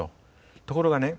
ところがね